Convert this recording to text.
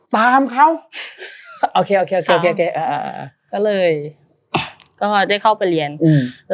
ตามเขาโอเคโอเคโอเคโอเคอ่าอ่าก็เลยก็ได้เข้าไปเรียนอืม